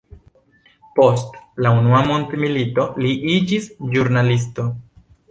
Post la unua mondmilito li iĝis ĵurnalisto.